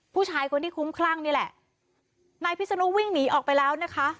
ผู้ชายคนที่คุ้มคลั่งนี่แหละนายพิศนุวิ่งหนีออกไปแล้วนะคะ